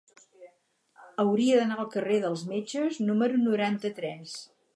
Hauria d'anar al carrer dels Metges número noranta-tres.